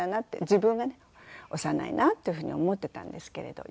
自分がね幼いなっていうふうに思っていたんですけれど。